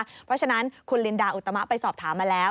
เพราะฉะนั้นคุณลินดาอุตมะไปสอบถามมาแล้ว